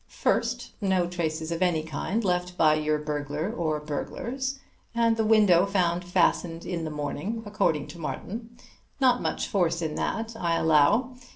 First: no traces of any kind left by your burglar or burglars, and the window found fastened in the morning according to Martin. Not much force in that, I allow.